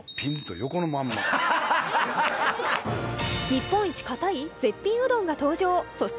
日本一かたい絶品うどんが登場、そして